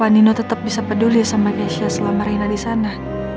apa nino tetep bisa peduli sama keisha selama reina disana